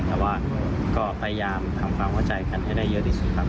แต่ว่าก็พยายามทำความเข้าใจกันให้ได้เยอะที่สุดครับ